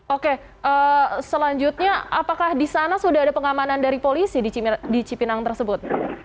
oke selanjutnya apakah di sana sudah ada pengamanan dari polisi di cipinang tersebut